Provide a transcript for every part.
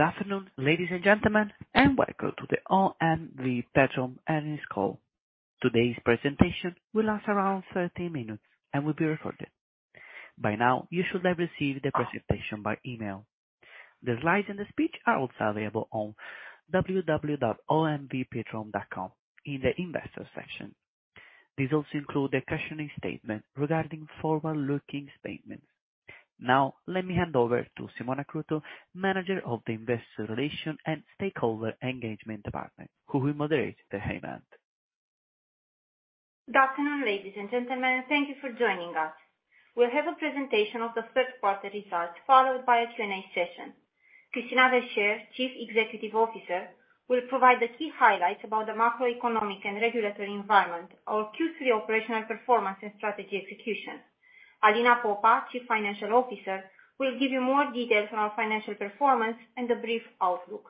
Good afternoon, ladies and gentlemen, and welcome to the OMV Petrom Earnings Call. Today's presentation will last around 30 minutes and will be recorded. By now, you should have received the presentation by email. The slides and the speech are also available on www.omvpetrom.com in the investor section. These also include the cautionary statement regarding forward-looking statements. Now, let me hand over to Simona Cruțu, Manager of the Investor Relation and Stakeholder Engagement Department, who will moderate the event. Good afternoon, ladies and gentlemen. Thank you for joining us. We'll have a presentation of the third quarter results, followed by a Q&A session. Christina Verchere, Chief Executive Officer, will provide the key highlights about the macroeconomic and regulatory environment, our Q3 operational performance, and strategy execution. Alina Popa, Chief Financial Officer, will give you more details on our financial performance and a brief outlook.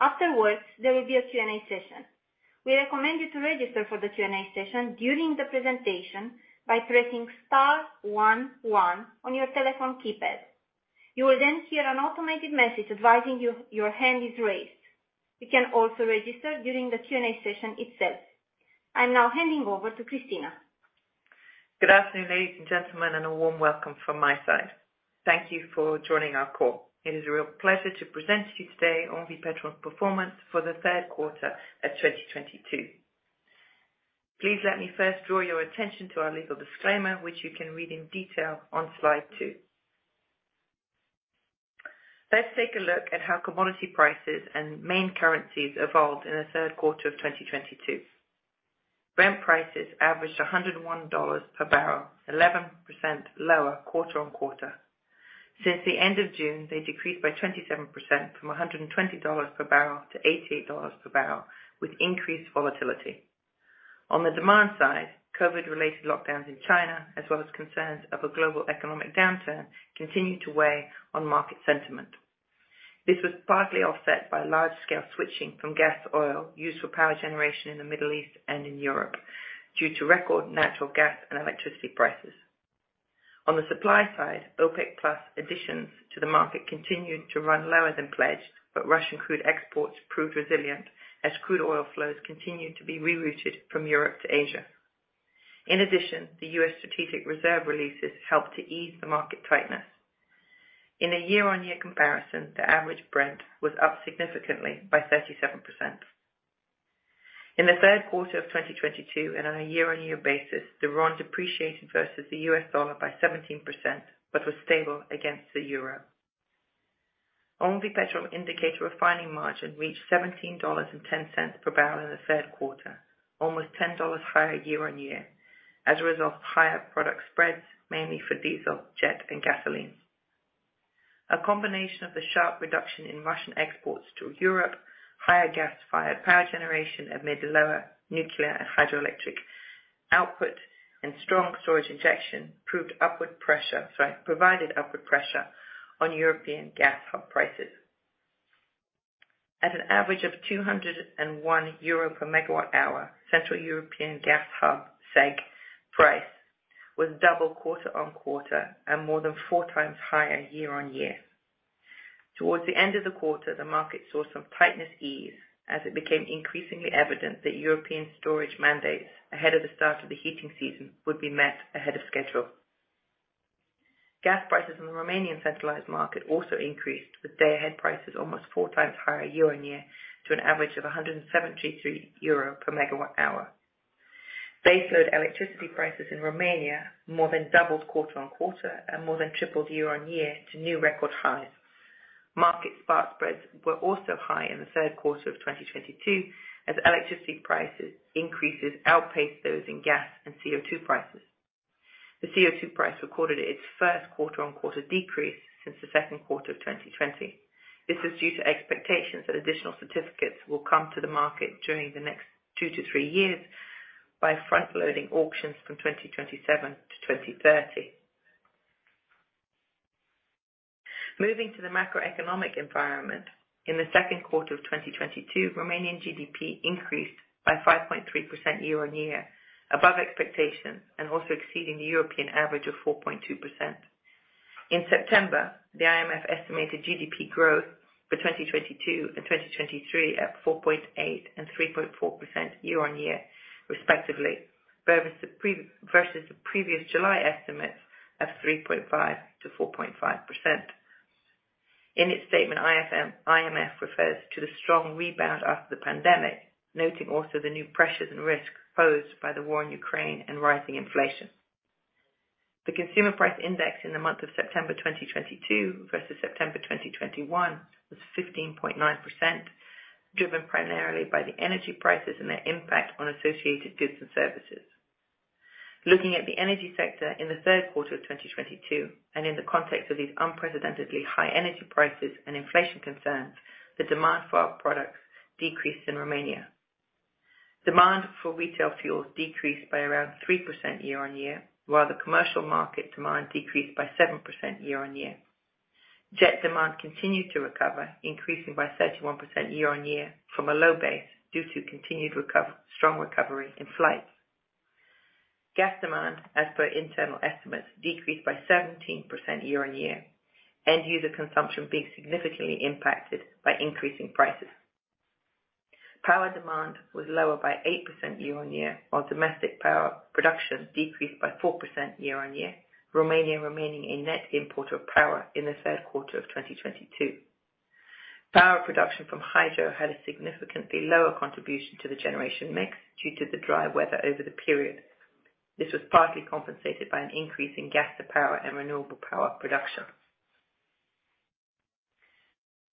Afterwards, there will be a Q&A session. We recommend you to register for the Q&A session during the presentation by pressing star one one on your telephone keypad. You will then hear an automated message advising you your hand is raised. You can also register during the Q&A session itself. I'm now handing over to Christina. Good afternoon, ladies and gentlemen, and a warm welcome from my side. Thank you for joining our call. It is a real pleasure to present to you today OMV Petrom's performance for the third quarter of 2022. Please let me first draw your attention to our legal disclaimer, which you can read in detail on slide 2. Let's take a look at how commodity prices and main currencies evolved in the third quarter of 2022. Brent prices averaged $101 per bbl, 11% lower quarter-on-quarter. Since the end of June, they decreased by 27% from $120 per bbl to $88 per bbl, with increased volatility. On the demand side, COVID-related lockdowns in China, as well as concerns of a global economic downturn, continued to weigh on market sentiment. This was partly offset by large-scale switching from gas oil used for power generation in the Middle East and in Europe due to record natural gas and electricity prices. On the supply side, OPEC+ additions to the market continued to run lower than pledged, but Russian crude exports proved resilient as crude oil flows continued to be rerouted from Europe to Asia. In addition, the U.S. strategic reserve releases helped to ease the market tightness. In a year-over-year comparison, the average Brent was up significantly by 37%. In the third quarter of 2022 and on a year-over-year basis, the rand depreciated versus the U.S. dollar by 17%, but was stable against the euro. OMV Petrom indicator refining margin reached $17.10 per bbl in the third quarter, almost $10 higher year-on-year, as a result of higher product spreads, mainly for diesel, jet, and gasoline. A combination of the sharp reduction in Russian exports to Europe, higher gas-fired power generation amid lower nuclear and hydroelectric output, and strong storage injection provided upward pressure on European gas hub prices. At an average of 201 euro per MWh, Central European Gas Hub, CEGH price, was double quarter-on-quarter and more than 4x higher year-on-year. Towards the end of the quarter, the market saw some tightness ease as it became increasingly evident that European storage mandates ahead of the start of the heating season would be met ahead of schedule. Gas prices in the Romanian centralized market also increased, with day-ahead prices almost 4x higher year-on-year to an average of 173 euro per MWh. Day-ahead electricity prices in Romania more than doubled quarter-on-quarter and more than tripled year-on-year to new record highs. Market spot spreads were also high in the third quarter of 2022 as electricity price increases outpaced those in gas and CO2 prices. The CO2 price recorded its first quarter-on-quarter decrease since the second quarter of 2020. This is due to expectations that additional certificates will come to the market during the next two to three years by front-loading auctions from 2027 to 2030. Moving to the macroeconomic environment. In the second quarter of 2022, Romanian GDP increased by 5.3% year-on-year above expectations and also exceeding the European average of 4.2%. In September, the IMF estimated GDP growth for 2022 and 2023 at 4.8% and 3.4% year-on-year respectively versus the previous July estimates of 3.5%-4.5%. In its statement, IMF refers to the strong rebound after the pandemic, noting also the new pressures and risks posed by the war in Ukraine and rising inflation. The consumer price index in the month of September 2022 versus September 2021 was 15.9%, driven primarily by the energy prices and their impact on associated goods and services. Looking at the energy sector in the third quarter of 2022, in the context of these unprecedentedly high energy prices and inflation concerns, the demand for our products decreased in Romania. Demand for retail fuels decreased by around 3% year-on-year, while the commercial market demand decreased by 7% year-on-year. Jet demand continued to recover, increasing by 31% year-on-year from a low base due to strong recovery in flights. Gas demand as per internal estimates decreased by 17% year-on-year. End user consumption being significantly impacted by increasing prices. Power demand was lower by 8% year-on-year, while domestic power production decreased by 4% year-on-year. Romania remaining a net importer of power in the third quarter of 2022. Power production from hydro had a significantly lower contribution to the generation mix due to the dry weather over the period. This was partly compensated by an increase in gas-to-power and renewable power production.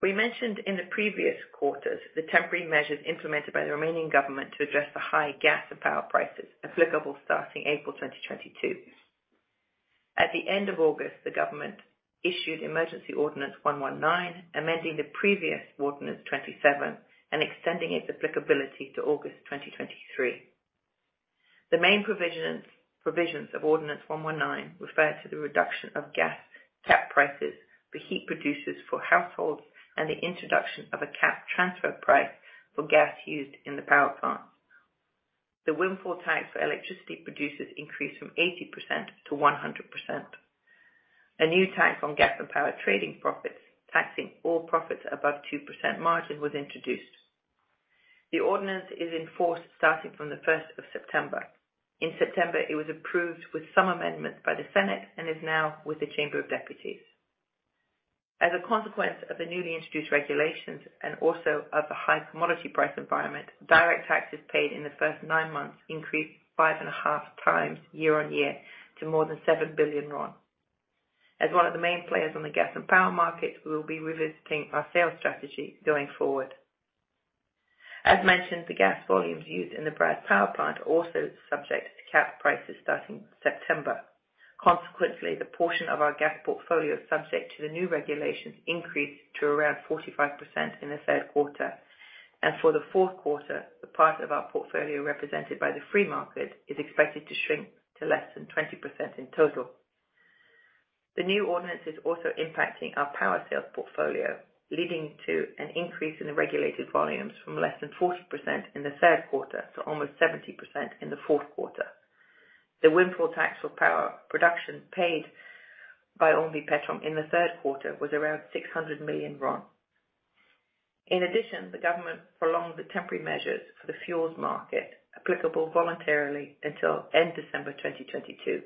We mentioned in the previous quarters the temporary measures implemented by the Romanian government to address the high gas and power prices applicable starting April 2022. At the end of August, the government issued Emergency Ordinance 119, amending the previous Ordinance 27, and extending its applicability to August 2023. The main provisions of Ordinance 119 refer to the reduction of gas cap prices for heat producers for households, and the introduction of a cap transfer price for gas used in the power plants. The windfall tax for electricity producers increased from 80% to 100%. A new tax on gas and power trading profits, taxing all profits above 2% margin was introduced. The ordinance is in force starting from the first of September. In September, it was approved with some amendments by the Senate and is now with the Chamber of Deputies. As a consequence of the newly introduced regulations and also of the high commodity price environment, direct taxes paid in the first nine months increased 5.5x year-on-year to more than RON 7 billion. As one of the main players on the gas and power market, we will be revisiting our sales strategy going forward. As mentioned, the gas volumes used in the Brazi power plant are also subject to cap prices starting September. Consequently, the portion of our gas portfolio subject to the new regulations increased to around 45% in the third quarter. For the fourth quarter, the part of our portfolio represented by the free market is expected to shrink to less than 20% in total. The new ordinance is also impacting our power sales portfolio, leading to an increase in the regulated volumes from less than 40% in the third quarter to almost 70% in the fourth quarter. The windfall tax for power production paid by OMV Petrom in the third quarter was around RON 600 million. In addition, the government prolonged the temporary measures for the fuels market applicable voluntarily until end December 2022.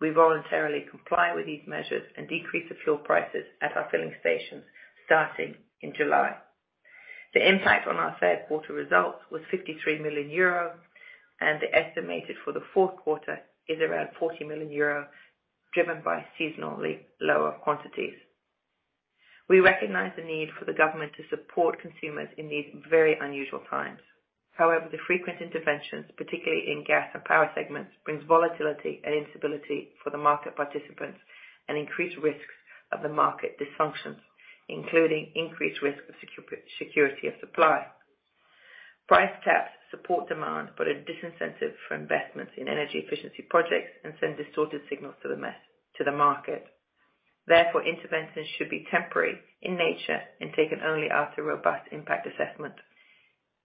We voluntarily comply with these measures and decrease the fuel prices at our filling stations starting in July. The impact on our third quarter results was 53 million euro, and the estimate for the fourth quarter is around 40 million euro, driven by seasonally lower quantities. We recognize the need for the government to support consumers in these very unusual times. However, the frequent interventions, particularly in gas and power segments, brings volatility and instability for the market participants and increased risks of the market dysfunctions, including increased risk of security of supply. Price caps support demand, but a disincentive for investments in energy efficiency projects and send distorted signals to the market. Therefore, interventions should be temporary in nature and taken only after robust impact assessment.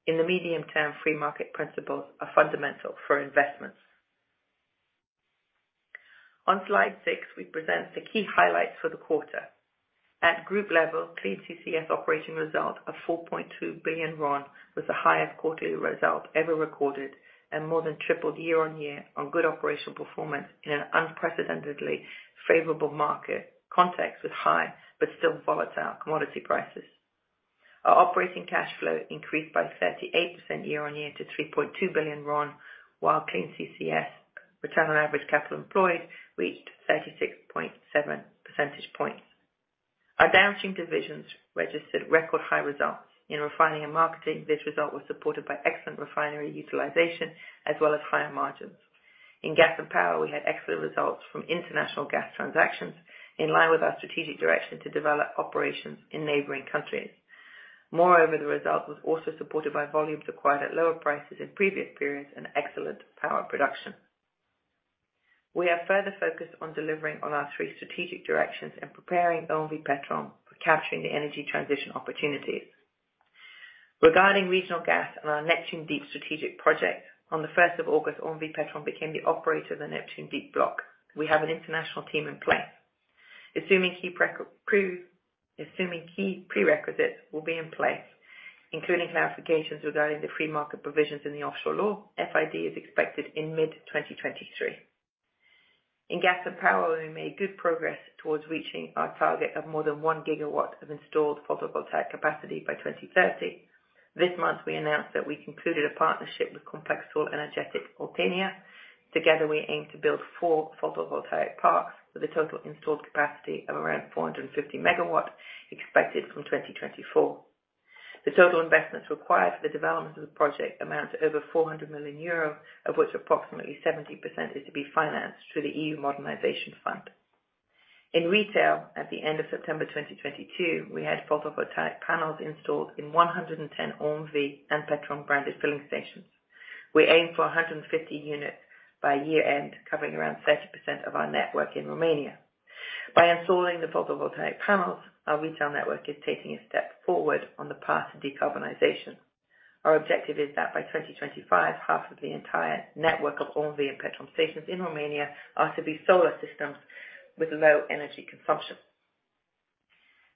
In the medium term, free market principles are fundamental for investments. On slide six, we present the key highlights for the quarter. At group level, Clean CCS Operating Result of RON 4.2 billion was the highest quarterly result ever recorded and more than tripled year-on-year on good operational performance in an unprecedentedly favorable market context with high but still volatile commodity prices. Our operating cash flow increased by 38% year-on-year to RON 3.2 billion, while Clean CCS Return on Average Capital Employed reached 36.7 percentage points. Our downstream divisions registered record high results. In refining and marketing, this result was supported by excellent refinery utilization as well as higher margins. In gas and power, we had excellent results from international gas transactions in line with our strategic direction to develop operations in neighboring countries. Moreover, the result was also supported by volumes acquired at lower prices in previous periods and excellent power production. We are further focused on delivering on our three strategic directions and preparing OMV Petrom for capturing the energy transition opportunities. Regarding regional gas and our Neptun Deep strategic project, on the first of August, OMV Petrom became the operator of the Neptun Deep block. We have an international team in place. Assuming key prerequisites will be in place, including clarifications regarding the free market provisions in the Offshore Law, FID is expected in mid-2023. In gas and power, we made good progress towards reaching our target of more than 1 GW of installed photovoltaic capacity by 2030. This month we announced that we concluded a partnership with Complexul Energetic Oltenia. Together, we aim to build four photovoltaic parks with a total installed capacity of around 450 MW expected from 2024. The total investments required for the development of the project amount to over 400 million euros, of which approximately 70% is to be financed through the EU Modernization Fund. In retail, at the end of September 2022, we had photovoltaic panels installed in 110 OMV and Petrom-branded filling stations. We aim for 150 units by year-end, covering around 30% of our network in Romania. By installing the photovoltaic panels, our retail network is taking a step forward on the path to decarbonization. Our objective is that by 2025, half of the entire network of OMV and Petrom stations in Romania are to be solar systems with low energy consumption.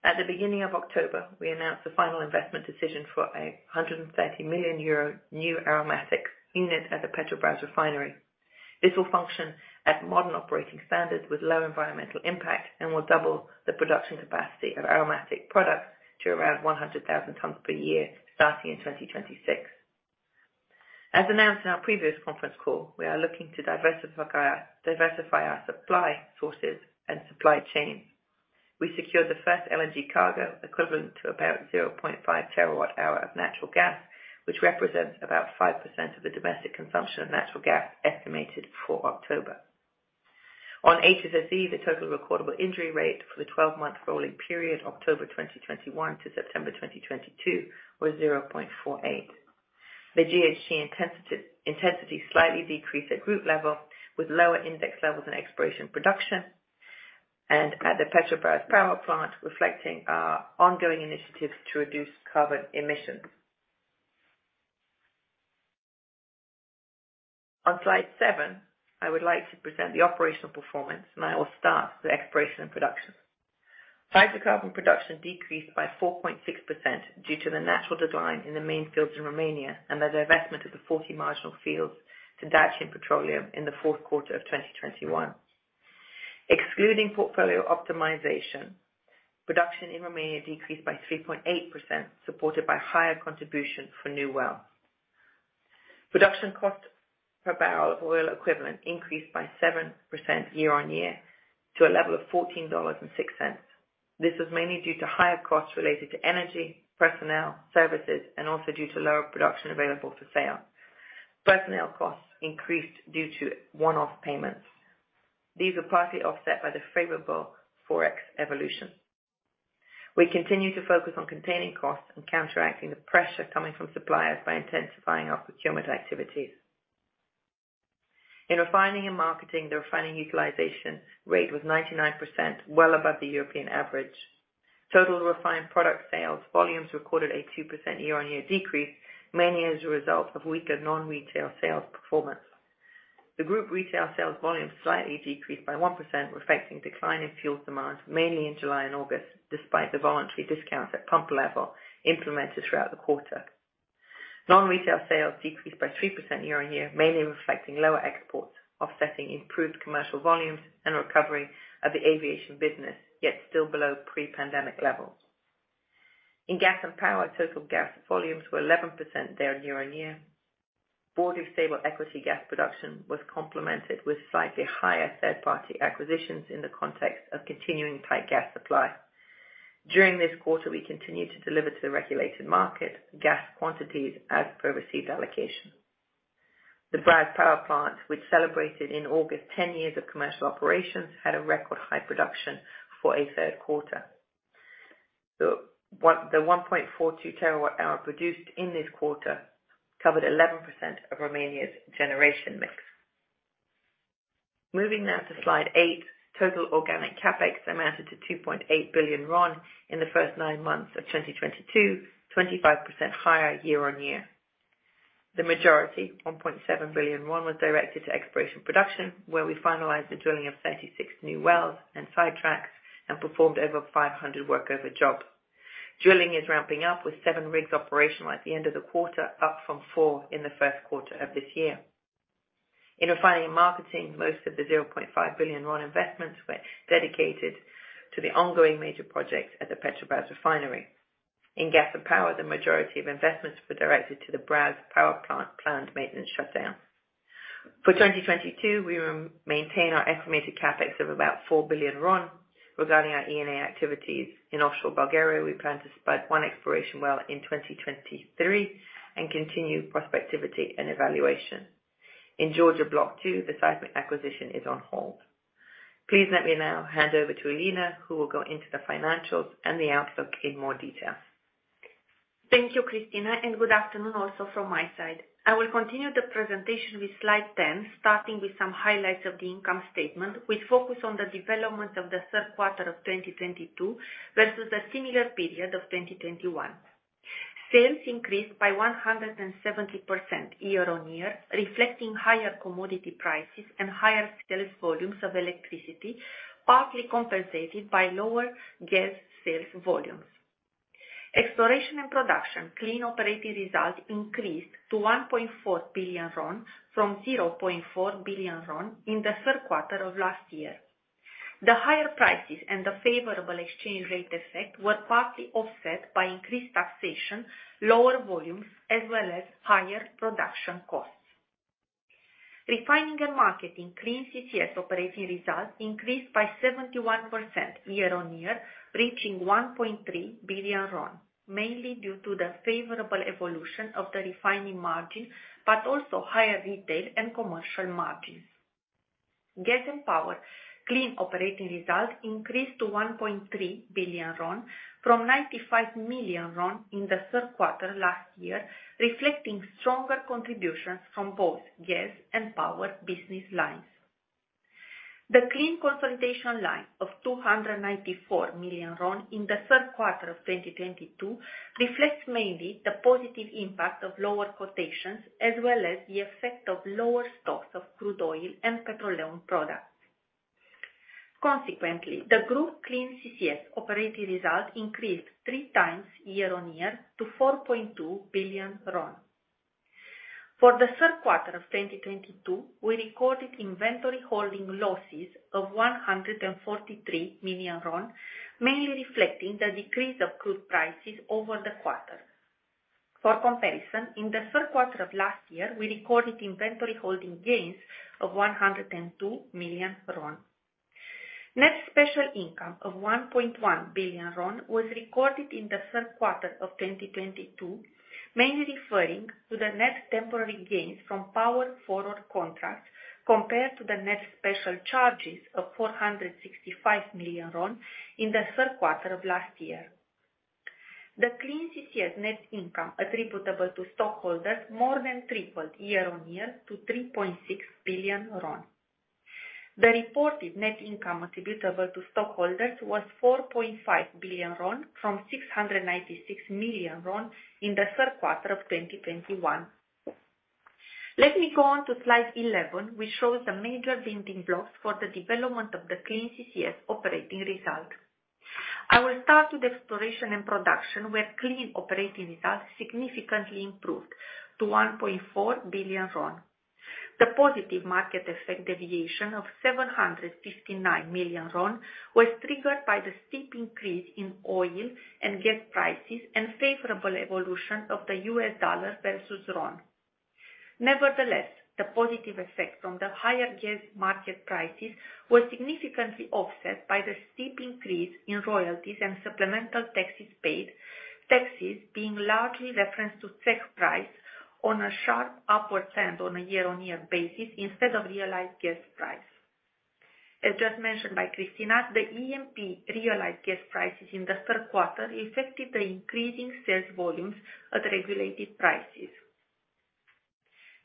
At the beginning of October, we announced the final investment decision for 130 million euro new aromatic unit at the Petrobrazi refinery. This will function at modern operating standards with low environmental impact and will double the production capacity of aromatic products to around 100,000 tons per year, starting in 2026. As announced in our previous conference call, we are looking to diversify our supply sources and supply chain. We secured the first LNG cargo equivalent to about 0.5 TWh of natural gas, which represents about 5% of the domestic consumption of natural gas estimated for October. On HSSE, the total recordable injury rate for the 12-month rolling period, October 2021 to September 2022, was 0.48. The GHG intensity slightly decreased at group level, with lower index levels in exploration and production and at the Petrom Brazi power plant, reflecting our ongoing initiatives to reduce carbon emissions. On slide seven, I would like to present the operational performance, and I will start with exploration and production. Hydrocarbon production decreased by 4.6% due to the natural decline in the main fields in Romania and the divestment of the 40 marginal fields to Dacian Petroleum in the fourth quarter of 2021. Excluding portfolio optimization, production in Romania decreased by 3.8%, supported by higher contribution from new wells. Production cost per barrel of oil equivalent increased by 7% year-over-year to a level of $14.06. This was mainly due to higher costs related to energy, personnel, services and also due to lower production available for sale. Personnel costs increased due to one-off payments. These were partly offset by the favorable Forex evolution. We continue to focus on containing costs and counteracting the pressure coming from suppliers by intensifying our procurement activities. In refining and marketing, the refining utilization rate was 99%, well above the European average. Total refined product sales volumes recorded a 2% year-over-year decrease, mainly as a result of weaker non-retail sales performance. The group retail sales volume slightly decreased by 1%, reflecting decline in fuel demand, mainly in July and August, despite the voluntary discounts at pump level implemented throughout the quarter. Non-retail sales decreased by 3% year-on-year, mainly reflecting lower exports, offsetting improved commercial volumes and recovery of the aviation business, yet still below pre-pandemic levels. In gas and power, total gas volumes were 11% down year-on-year. Broadly stable equity gas production was complemented with slightly higher third-party acquisitions in the context of continuing tight gas supply. During this quarter, we continued to deliver to the regulated market gas quantities as per received allocation. The Brazi power plant, which celebrated in August 10 years of commercial operations, had a record high production for a third quarter. The 1.42 TW hour produced in this quarter covered 11% of Romania's generation mix. Moving now to slide eight. Total organic CapEx amounted to RON 2.8 billion in the first nine months of 2022, 25% higher year-on-year. The majority, RON 1.7 billion, was directed to exploration and production, where we finalized the drilling of 36 new wells and sidetracks and performed over 500 workover jobs. Drilling is ramping up, with seven rigs operational at the end of the quarter, up from four in the first quarter of this year. In refining and marketing, most of the RON 0.5 billion investments were dedicated to the ongoing major project at the Petrobrazi refinery. In gas and power, the majority of investments were directed to the Brazi power plant planned maintenance shutdown. For 2022, we will maintain our estimated CapEx of about RON 4 billion. Regarding our E&P activities, in offshore Bulgaria, we plan to spud one exploration well in 2023 and continue prospectivity and evaluation. In Georgia Block 2, the seismic acquisition is on hold. Please let me now hand over to Alina Popa, who will go into the financials and the outlook in more detail. Thank you, Christina, and good afternoon also from my side. I will continue the presentation with slide 10, starting with some highlights of the income statement, which focus on the development of the third quarter of 2022 versus the similar period of 2021. Sales increased by 170% year-on-year, reflecting higher commodity prices and higher sales volumes of electricity, partly compensated by lower gas sales volumes. Exploration and production Clean Operating Results increased to RON 1.4 billion from RON 0.4 billion in the third quarter of last year. The higher prices and the favorable exchange rate effect were partly offset by increased taxation, lower volumes, as well as higher production costs. Refining and Marketing Clean CCS Operating Results increased by 71% year-on-year, reaching RON 1.3 billion, mainly due to the favorable evolution of the refining margin, but also higher retail and commercial margins. Gas and Power Clean Operating Results increased to RON 1.3 billion from RON 95 million in the third quarter last year, reflecting stronger contributions from both gas and power business lines. The clean consolidation line of RON 294 million in the third quarter of 2022 reflects mainly the positive impact of lower quotations as well as the effect of lower stocks of crude oil and petroleum products. Consequently, the Group Clean CCS Operating Result increased 3x year-on-year to RON 4.2 billion. For the third quarter of 2022, we recorded inventory holding losses of RON 143 million, mainly reflecting the decrease of crude prices over the quarter. For comparison, in the third quarter of last year, we recorded inventory holding gains of RON 102 million. Net special income of RON 1.1 billion was recorded in the third quarter of 2022, mainly referring to the net temporary gains from power forward contracts compared to the net special charges of RON 465 million in the third quarter of last year. The Clean CCS net income attributable to stockholders more than tripled year-on-year to RON 3.6 billion. The reported net income attributable to stockholders was RON 4.5 billion from RON 696 million in the third quarter of 2021. Let me go on to slide 11, which shows the major building blocks for the development of the Clean CCS Operating Result. I will start with exploration and production, where Clean CCS Operating Results significantly improved to RON 1.4 billion. The positive market effect deviation of RON 759 million was triggered by the steep increase in oil and gas prices and favorable evolution of the U.S. dollar versus RON. Nevertheless, the positive effect on the higher gas market prices was significantly offset by the steep increase in royalties and supplemental taxes paid, taxes being largely referenced to CEGH price on a sharp upward trend on a year-on-year basis instead of realized gas price. As just mentioned by Christina, the E&P realized gas prices in the third quarter affected the increasing sales volumes at regulated prices.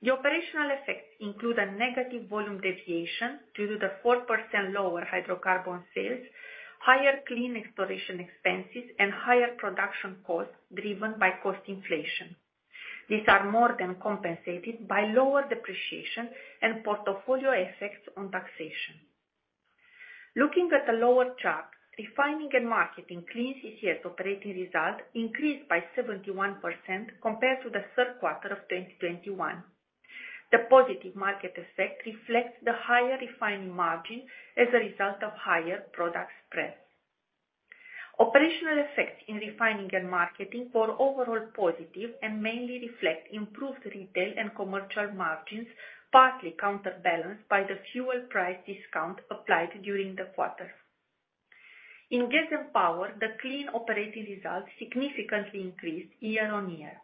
Operational effects include a negative volume deviation due to the 4% lower hydrocarbon sales, higher clean exploration expenses, and higher production costs driven by cost inflation. These are more than compensated by lower depreciation and portfolio effects on taxation. Looking at the lower chart, refining and marketing Clean CCS Operating Results increased by 71% compared to the third quarter of 2021. The positive market effect reflects the higher refining margin as a result of higher product spreads. Operational effects in refining and marketing were overall positive and mainly reflect improved retail and commercial margins, partly counterbalanced by the fuel price discount applied during the quarter. In gas and power, the Clean Operating Results significantly increased year-on-year.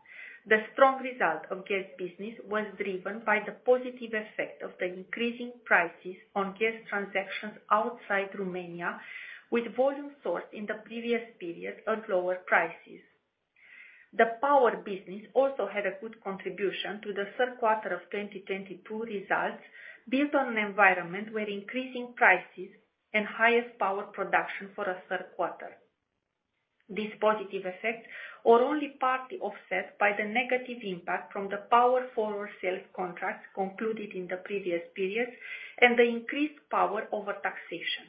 The strong result of gas business was driven by the positive effect of the increasing prices on gas transactions outside Romania, with volume sourced in the previous period at lower prices. The power business also had a good contribution to the third quarter of 2022 results, built on an environment where increasing prices and highest power production for a third quarter. These positive effects are only partly offset by the negative impact from the power forward sales contracts concluded in the previous periods and the increased power over taxation.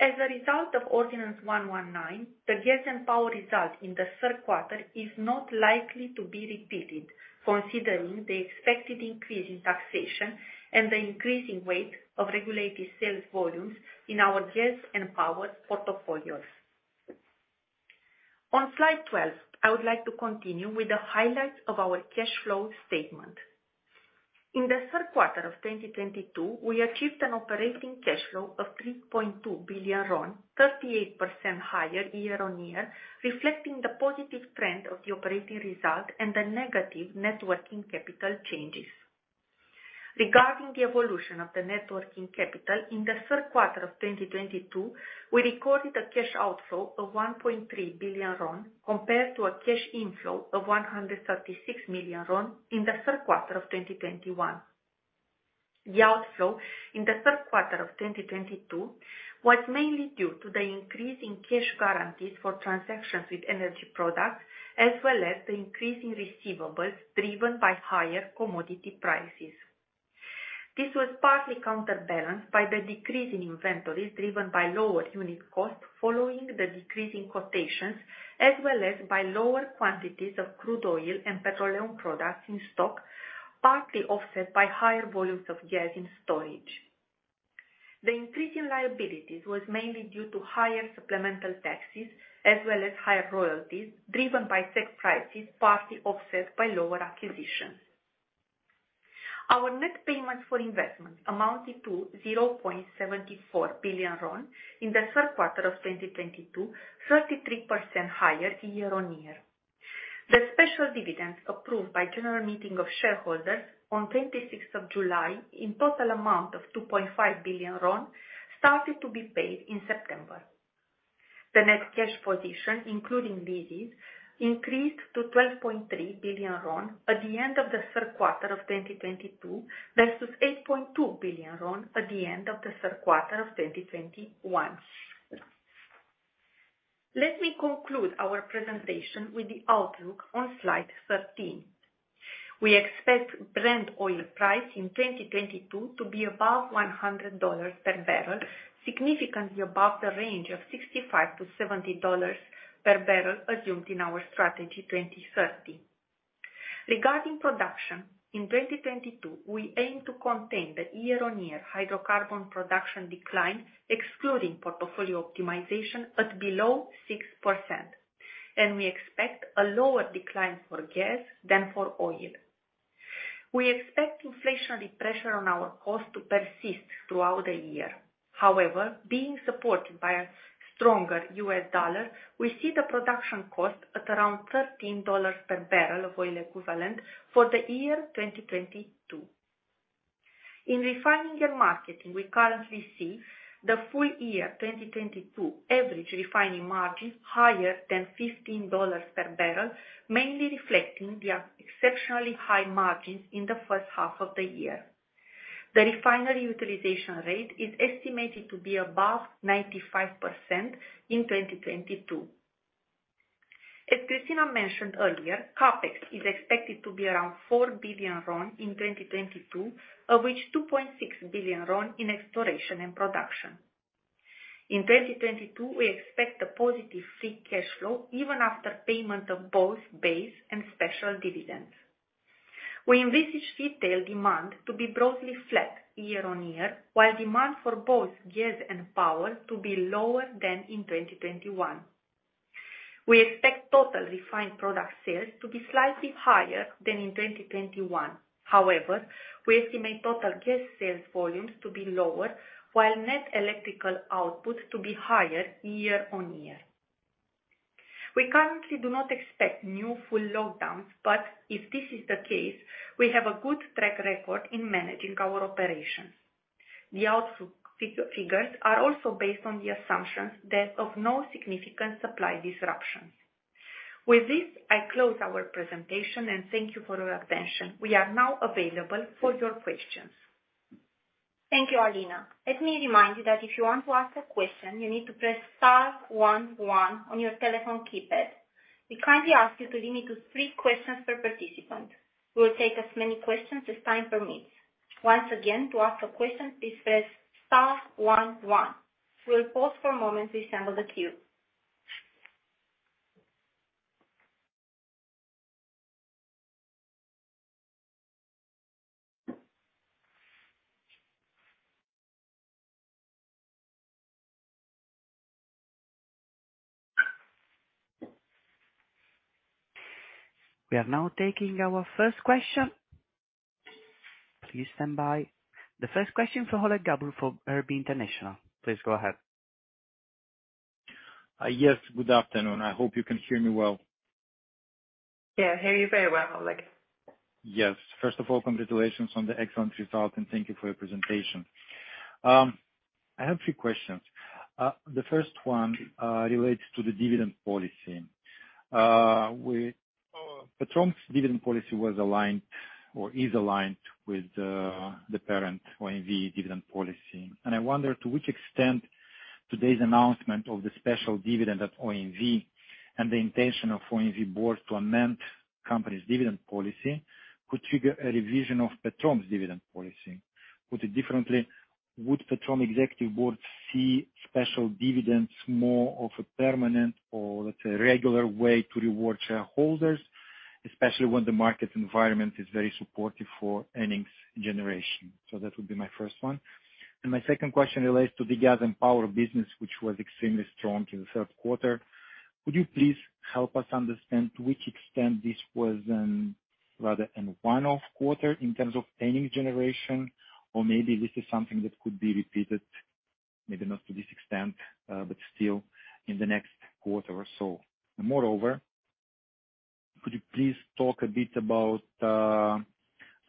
As a result of Ordinance 119, the gas and power result in the third quarter is not likely to be repeated, considering the expected increase in taxation and the increasing weight of regulated sales volumes in our gas and power portfolios. On slide 12, I would like to continue with the highlights of our cash flow statement. In the third quarter of 2022, we achieved an operating cash flow of RON 3.2 billion, 38% higher year-on-year, reflecting the positive trend of the operating result and the negative net working capital changes. Regarding the evolution of the net working capital in the third quarter of 2022, we recorded a cash outflow of RON 1.3 billion compared to a cash inflow of RON 136 million in the third quarter of 2021. The outflow in the third quarter of 2022 was mainly due to the increase in cash guarantees for transactions with energy products, as well as the increase in receivables driven by higher commodity prices. This was partly counterbalanced by the decrease in inventories driven by lower unit costs following the decrease in quotations, as well as by lower quantities of crude oil and petroleum products in stock, partly offset by higher volumes of gas in storage. The increase in liabilities was mainly due to higher supplemental taxes as well as higher royalties driven by CEGH prices, partly offset by lower acquisitions. Our net payments for investment amounted to RON 0.74 billion in the third quarter of 2022, 33% higher year-on-year. The special dividends approved by general meeting of shareholders on 26th of July in total amount of RON 2.5 billion started to be paid in September. The net cash position, including leases, increased to RON 12.3 billion at the end of the third quarter of 2022, versus RON 8.2 billion at the end of the third quarter of 2021. Let me conclude our presentation with the outlook on slide 13. We expect Brent oil price in 2022 to be above $100 per bbl, significantly above the range of $65-$70 per bbl assumed in our strategy 2030. Regarding production, in 2022, we aim to contain the year-on-year hydrocarbon production decline, excluding portfolio optimization, at below 6%, and we expect a lower decline for gas than for oil. We expect inflationary pressure on our cost to persist throughout the year. However, being supported by a stronger U.S. dollar, we see the production cost at around $13 per bbl of oil equivalent for the year 2022. In refining and marketing, we currently see the full year 2022 average refining margin higher than $15 per bbl, mainly reflecting the exceptionally high margins in the first half of the year. The refinery utilization rate is estimated to be above 95% in 2022. As Christina mentioned earlier, CapEx is expected to be around RON 4 billion in 2022, of which RON 2.6 billion in exploration and production. In 2022, we expect a positive free cash flow even after payment of both base and special dividends. We envisage retail demand to be broadly flat year-on-year, while demand for both gas and power to be lower than in 2021. We expect total refined product sales to be slightly higher than in 2021. However, we estimate total gas sales volumes to be lower, while net electrical output to be higher year-on-year. We currently do not expect new full lockdowns, but if this is the case, we have a good track record in managing our operations. The outlook figures are also based on the assumption of no significant supply disruptions. With this, I close our presentation, and thank you for your attention. We are now available for your questions. Thank you, Alina. Let me remind you that if you want to ask a question, you need to press star one one on your telephone keypad. We kindly ask you to limit to three questions per participant. We will take as many questions as time permits. Once again, to ask a question, please press star one one. We'll pause for a moment to handle the queue. We are now taking our first question. Please stand by. The first question from Oleg Galbur from Raiffeisen Bank International. Please go ahead. Yes, good afternoon. I hope you can hear me well. Yeah, I hear you very well, Oleg. Yes. First of all, congratulations on the excellent results, and thank you for your presentation. I have three questions. The first one relates to the dividend policy. Petrom's dividend policy was aligned or is aligned with the parent OMV dividend policy. I wonder to which extent today's announcement of the special dividend at OMV and the intention of OMV board to amend company's dividend policy could trigger a revision of Petrom's dividend policy. Put it differently, would Petrom executive board see special dividends more of a permanent or, let's say, regular way to reward shareholders, especially when the market environment is very supportive for earnings generation? That would be my first one. My second question relates to the gas and power business, which was extremely strong in the third quarter. Would you please help us understand to which extent this was rather an one-off quarter in terms of earnings generation? Or maybe this is something that could be repeated, maybe not to this extent, but still in the next quarter or so. Moreover, could you please talk a bit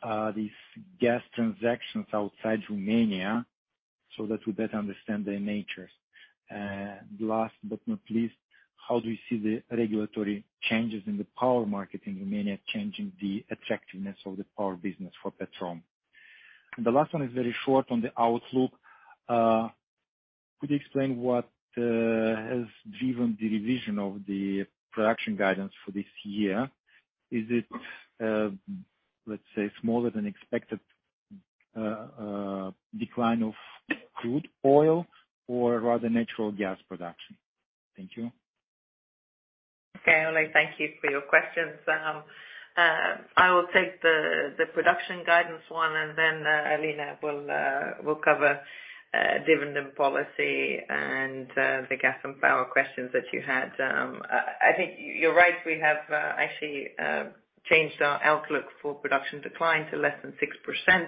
about these gas transactions outside Romania so that we better understand their natures? Last but not least, how do you see the regulatory changes in the power market in Romania changing the attractiveness of the power business for Petrom? The last one is very short on the outlook. Could you explain what has driven the revision of the production guidance for this year? Is it, let's say, smaller than expected decline of crude oil or rather natural gas production? Thank you. Okay, Oleg, thank you for your questions. I will take the production guidance one, and then Alina will cover dividend policy and the gas and power questions that you had. I think you're right. We have actually changed our outlook for production decline to less than 6%.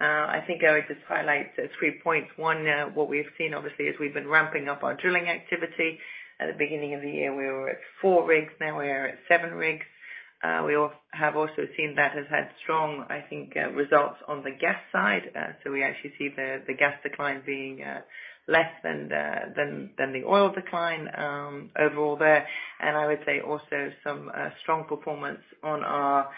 I think I would just highlight three points. One, what we've seen obviously is we've been ramping up our drilling activity. At the beginning of the year, we were at four rigs. Now we are at seven rigs. We have also seen that has had strong, I think, results on the gas side. So we actually see the gas decline being less than the oil decline overall there. I would say also some strong performance on our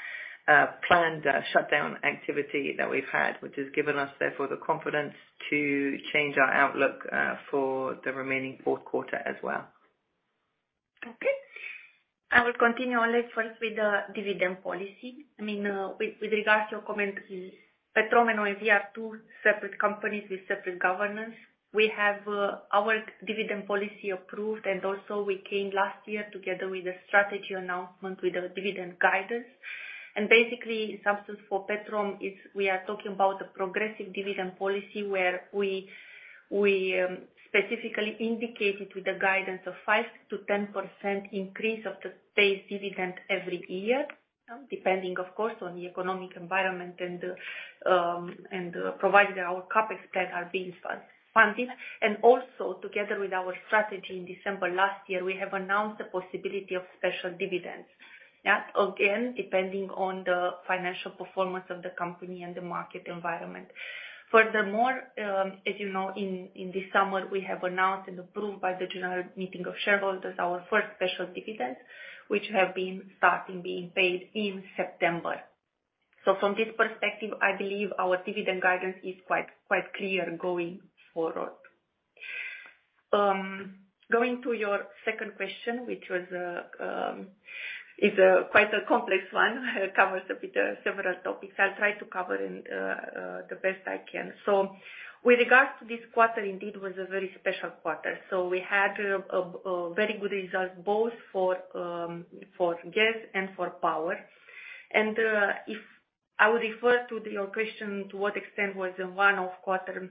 planned shutdown activity that we've had, which has given us, therefore, the confidence to change our outlook for the remaining fourth quarter as well. Okay. I will continue, Oleg, first with the dividend policy. I mean, with regards to your comment, Petrom and OMV are two separate companies with separate governance. We have our dividend policy approved, and also we came last year together with a strategy announcement with a dividend guidance. Basically, substance for Petrom is we are talking about a progressive dividend policy where we specifically indicated with the guidance of 5%-10% increase of the base dividend every year, depending, of course, on the economic environment and provided our CapEx spend are being fully funded. Also, together with our strategy in December last year, we have announced the possibility of special dividends. That, again, depending on the financial performance of the company and the market environment. Furthermore, as you know, in this summer, we have announced and approved by the general meeting of shareholders our first special dividend, which have been starting being paid in September. From this perspective, I believe our dividend guidance is quite clear going forward. Going to your second question, which is quite a complex one, covers a bit of several topics. I'll try to cover in the best I can. With regards to this quarter, indeed was a very special quarter. We had very good results both for gas and for power. If I would refer to your question to what extent was a one-off quarter,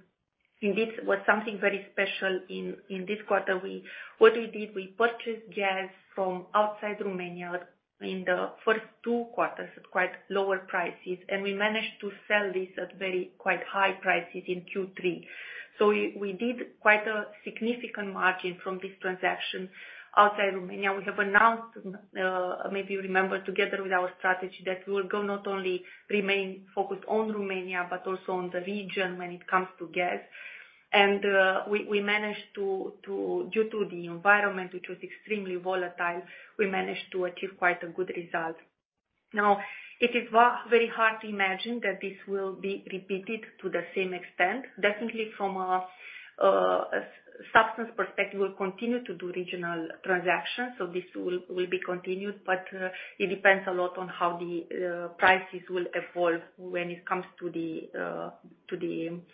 indeed was something very special in this quarter. We did, we purchased gas from outside Romania in the first two quarters at quite lower prices, and we managed to sell this at very quite high prices in Q3. We did quite a significant margin from this transaction outside Romania. We have announced, maybe you remember, together with our strategy, that we will go not only remain focused on Romania, but also on the region when it comes to gas. We managed to due to the environment, which was extremely volatile, we managed to achieve quite a good result. Now, it is very hard to imagine that this will be repeated to the same extent. Definitely from a substance perspective, we'll continue to do regional transactions, so this will be continued. It depends a lot on how the prices will evolve when it comes to the impact.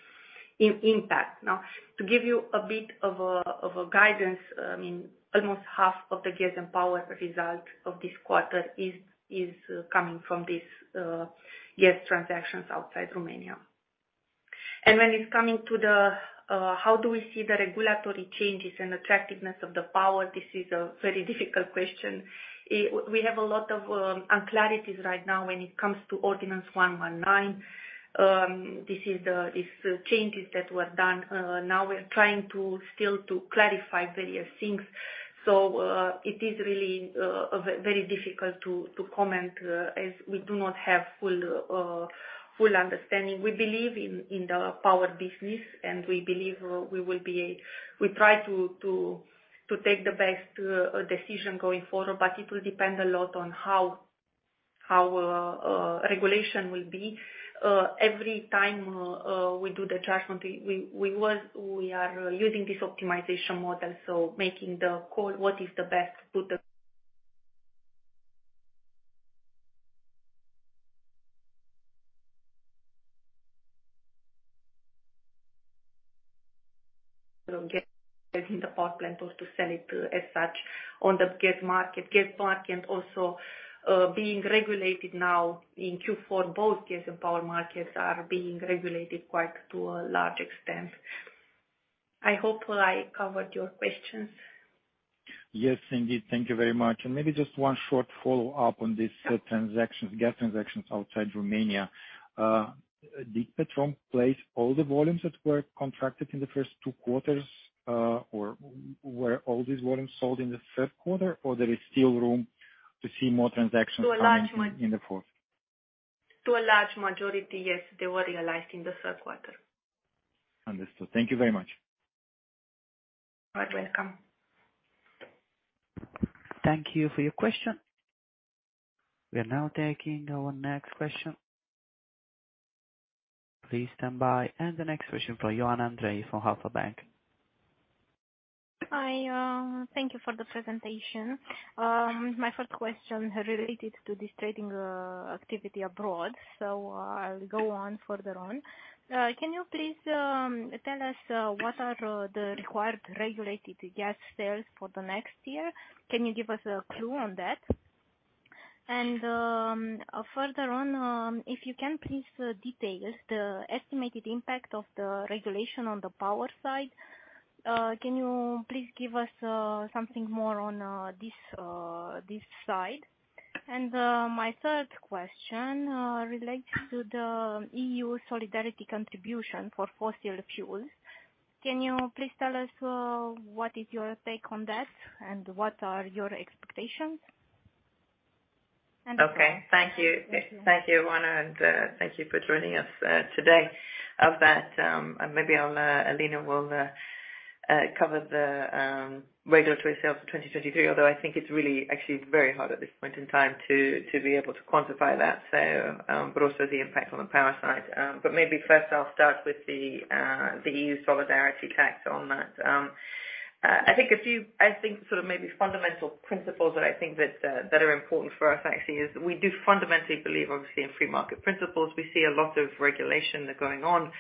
Now, to give you a bit of a guidance, in almost half of the gas and power result of this quarter is coming from this gas transactions outside Romania. When it comes to how we see the regulatory changes and attractiveness of the power, this is a very difficult question. We have a lot of unclarities right now when it comes to Ordinance 119. This is changes that were done. Now we're trying still to clarify various things. It is really a very difficult to comment as we do not have full understanding. We believe in the power business, and we believe we will be. We try to take the best decision going forward, but it will depend a lot on how regulation will be. Every time we do the charge, when we are using this optimization model, so making the call what is the best to the gas in the power plant or to sell it as such on the gas market. Gas market also being regulated now in Q4, both gas and power markets are being regulated quite a large extent. I hope I covered your questions. Yes, indeed. Thank you very much. Maybe just one short follow-up on this. Sure. Transactions, gas transactions outside Romania. Did Petrom place all the volumes that were contracted in the first two quarters, or were all these volumes sold in the third quarter or there is still room to see more transactions coming? To a large maj- in the fourth? To a large majority, yes, they were realized in the third quarter. Understood. Thank you very much. You are welcome. Thank you for your question. We are now taking our next question. Please stand by. The next question for Ioana Andrei from Alpha Bank. Hi, thank you for the presentation. My first question related to this trading activity abroad, so I'll go on further on. Can you please tell us what are the required regulated gas sales for the next year? Can you give us a clue on that? Further on, if you can please detail the estimated impact of the regulation on the power side. Can you please give us something more on this side? My third question relates to the EU solidarity contribution for fossil fuels. Can you please tell us what is your take on that and what are your expectations? Okay. Thank you. Thank you, Ioana, and thank you for joining us today. Of that, Alina will cover the regulatory sales for 2023. Although I think it's really actually very hard at this point in time to be able to quantify that, so also the impact on the power side. Maybe first I'll start with the EU solidarity tax on that. I think sort of maybe fundamental principles that I think that are important for us actually is we do fundamentally believe, obviously, in free market principles. We see a lot of regulation going on.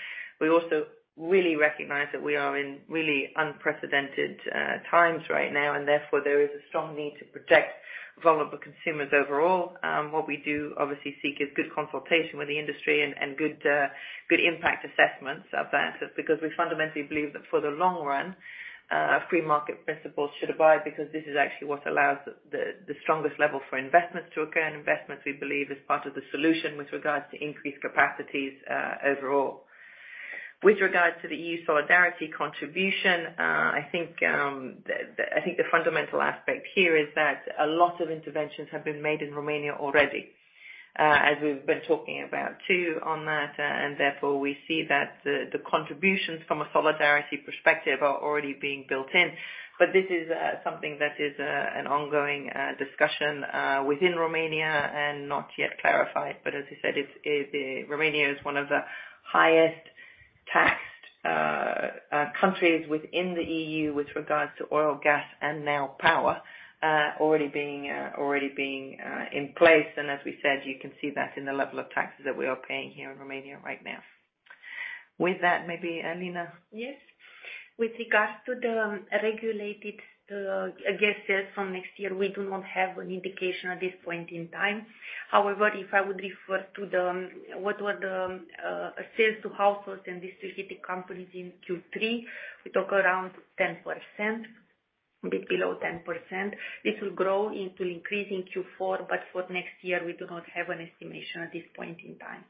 We also really recognize that we are in really unprecedented times right now, and therefore there is a strong need to protect vulnerable consumers overall. What we do obviously seek is good consultation with the industry and good impact assessments of that, because we fundamentally believe that for the long run, free market principles should abide because this is actually what allows the strongest level for investments to occur. Investments, we believe is part of the solution with regards to increased capacities overall. With regards to the EU solidarity contribution, I think the fundamental aspect here is that a lot of interventions have been made in Romania already, as we've been talking about too on that. Therefore we see that the contributions from a solidarity perspective are already being built in. This is something that is an ongoing discussion within Romania and not yet clarified. As you said, Romania is one of the highest taxed countries within the EU with regards to oil, gas, and now power already being in place. As we said, you can see that in the level of taxes that we are paying here in Romania right now. With that, maybe Alina. Yes. With regards to the regulated gas sales from next year, we do not have an indication at this point in time. However, if I would refer to the sales to households and district heating companies in Q3, we talk around 10%, a bit below 10%. This will grow into increase in Q4, but for next year we do not have an estimation at this point in time.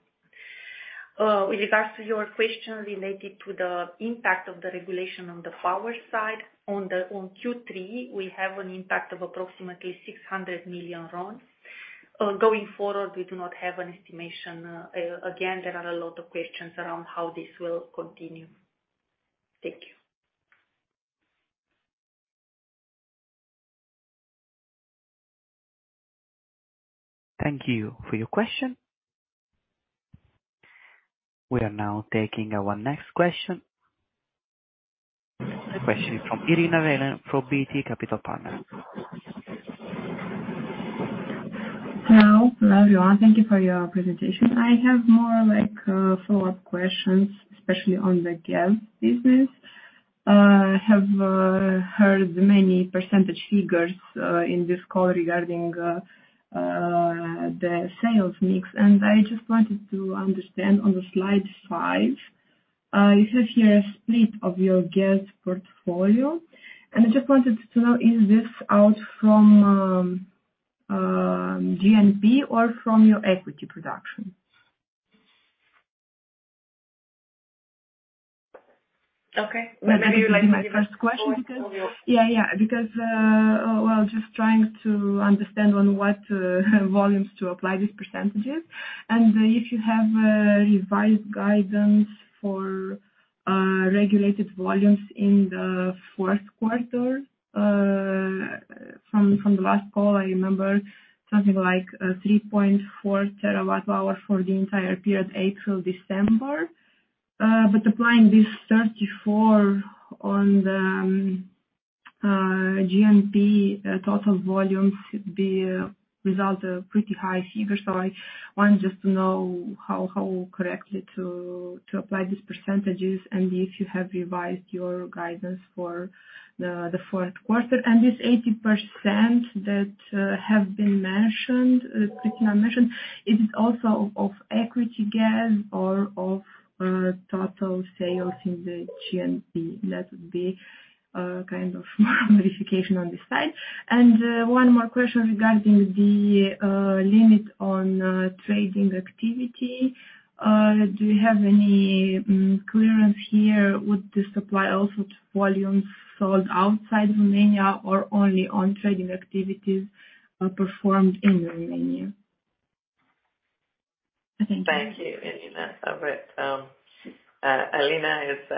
With regards to your question related to the impact of the regulation on the power side, on Q3, we have an impact of approximately RON 600 million. Going forward, we do not have an estimation. Again, there are a lot of questions around how this will continue. Thank you. Thank you for your question. We are now taking our next question. The question is from Irina Railean from BT Capital Partners. Hello. Hello, everyone. Thank you for your presentation. I have more like follow-up questions, especially on the gas business. I have heard many percentage figures in this call regarding the sales mix. I just wanted to understand on the slide five, you have here a split of your gas portfolio, and I just wanted to know, is this from G&P or from your equity production? Okay. Maybe you'd like to give it. This will be my first question. Go on. Yeah, yeah. Because just trying to understand on what volumes to apply these percentages. If you have a revised guidance for regulated volumes in the fourth quarter from the last call, I remember something like 3.4 TWh for the entire period, April, December. But applying this 34% on the G&P total volumes should result in a pretty high figure. I want just to know how correctly to apply these percentages and if you have revised your guidance for the fourth quarter. This 80% that have been mentioned, Christina mentioned, is it also of equity gas or of total sales in the G&P? That would be kind of a modification on this side. One more question regarding the limit on trading activity. Do you have any clarification here? Would this apply also to volumes sold outside of Romania or only on trading activities performed in Romania? Thank you, Irina. Alina is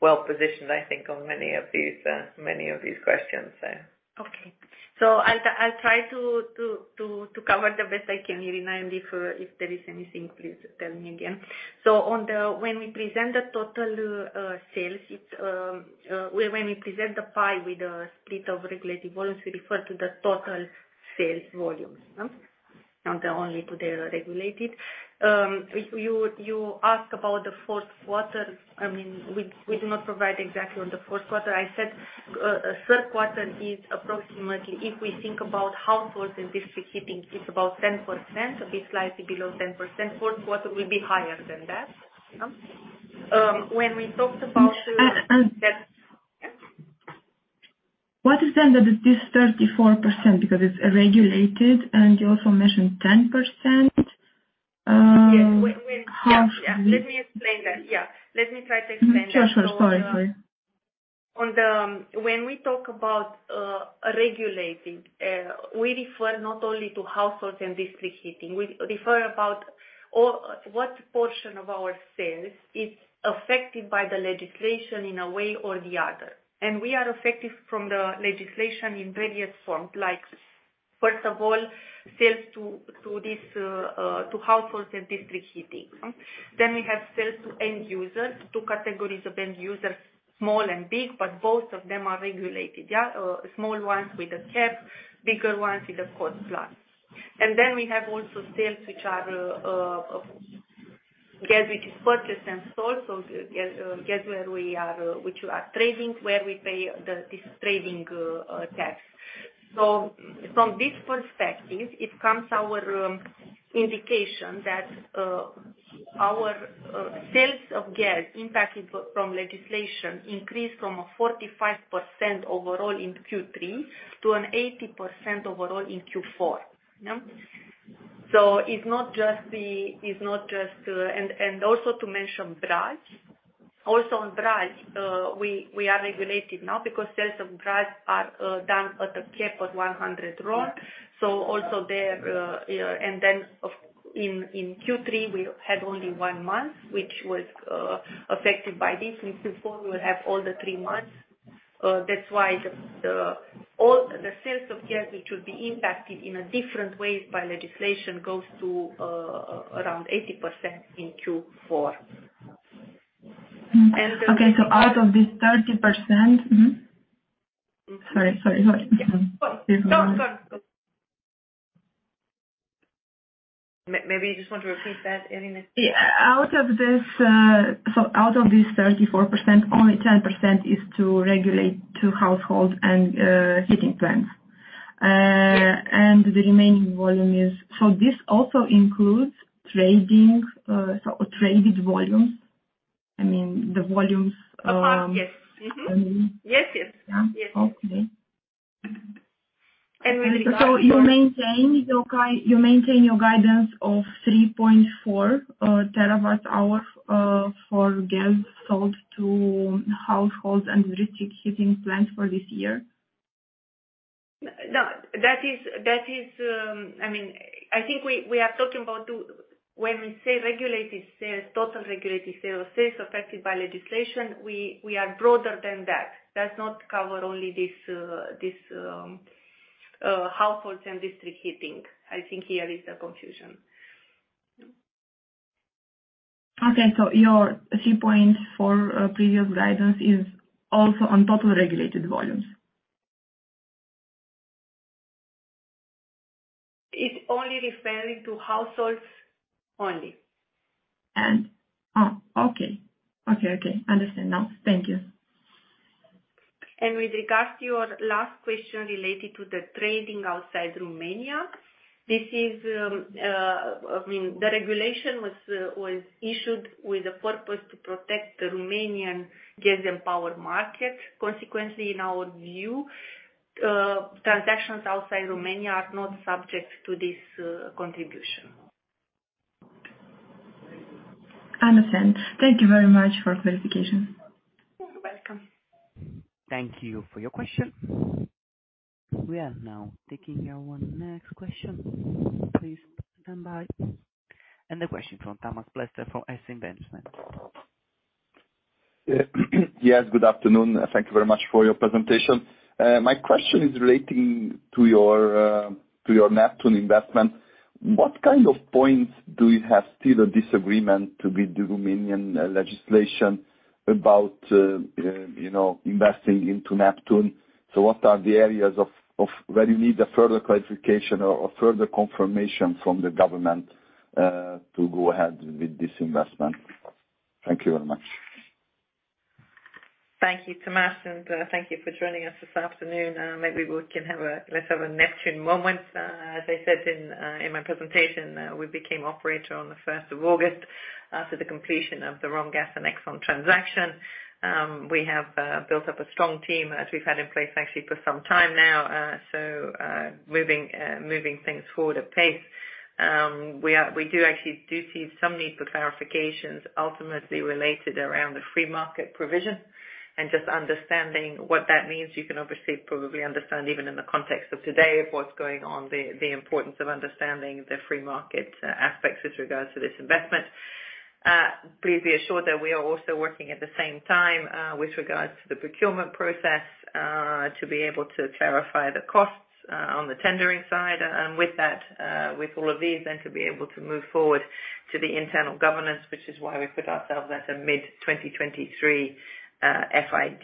well-positioned, I think, on many of these questions, so. I'll try to cover the best I can, Irina, and if there is anything, please tell me again. When we present the total sales, it's when we present the pie with the split of regulated volumes, we refer to the total sales volumes, yeah. Not only to the regulated. You asked about the fourth quarter. I mean, we do not provide exactly on the fourth quarter. I said third quarter is approximately, if we think about households and district heating, it's about 10%, a bit slightly below 10%. Fourth quarter will be higher than that. When we talked about. What is under this 34% because it's regulated, and you also mentioned 10%? Yeah. How- Let me try to explain that. Sure. Sorry. When we talk about regulating, we refer not only to households and district heating. We refer about what portion of our sales is affected by the legislation in a way or the other. We are affected from the legislation in various forms like, first of all, sales to households and district heating. We have sales to end users, to categories of end users, small and big, but both of them are regulated, yeah. Small ones with a cap, bigger ones with a cost plus. We have also sales which are gas which is purchased and sold, so gas where we are trading, where we pay this trading tax. From this perspective, it comes our indication that our sales of gas impacted from legislation increased from a 45% overall in Q3 to an 80% overall in Q4. Yeah. It's not just. Also to mention gas. Also on gas, we are regulated now because sales of gas are done at a cap of RON 100. Also there. Then in Q3, we had only one month, which was affected by this. In Q4, we will have all the three months. That's why the sales of gas which will be impacted in a different ways by legislation goes to around 80% in Q4. Okay. Out of this 30%. Sorry. Yeah. Go, go. Maybe you just want to repeat that, Irina? Yeah. Out of this 34%, only 10% is to regulated households and heating plants. The remaining volume is. This also includes trading, traded volumes, I mean, the volumes. Of gas, yes. Mm-hmm. I mean. Yes, yes. Yeah. Yes. Okay. With regard to. You maintain your guidance of 3.4 TWh for gas sold to households and district heating plant for this year? No, that is, I mean, I think we are talking. When we say regulated sales, total regulated sales affected by legislation, we are broader than that. Does not cover only households and district heating. I think here is a confusion. Okay. Your 3.4 TWh previous guidance is also on top of regulated volumes. It's only referring to households only. Okay. I understand now. Thank you. With regards to your last question related to the trading outside Romania, I mean, the regulation was issued with the purpose to protect the Romanian gas and power market. Consequently, in our view, transactions outside Romania are not subject to this contribution. I understand. Thank you very much for clarification. You're welcome. Thank you for your question. We are now taking our next question. Please stand by. The question from Tamás Pletser from Erste Investment. Yes, good afternoon. Thank you very much for your presentation. My question is relating to your to your Neptun investment. What kind of points do you have still a disagreement with the Romanian legislation about, you know, investing into Neptun? What are the areas of where you need a further clarification or further confirmation from the government to go ahead with this investment? Thank you very much. Thank you, Tamás, and thank you for joining us this afternoon. Let's have a Neptun moment. As I said in my presentation, we became operator on the first of August, after the completion of the Romgaz and ExxonMobil transaction. We have built up a strong team, as we've had in place actually for some time now. Moving things forward at pace. We do actually see some need for clarifications, ultimately related around the free market provision and just understanding what that means. You can obviously probably understand, even in the context of today, of what's going on, the importance of understanding the free market aspects with regards to this investment. Please be assured that we are also working at the same time, with regards to the procurement process, to be able to clarify the costs, on the tendering side. With that, with all of these then to be able to move forward to the internal governance, which is why we've put ourselves at a mid-2023 FID